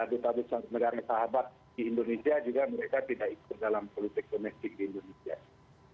duta besar negara sahabat di indonesia juga mereka tidak ikut dalam politik domestik di indonesia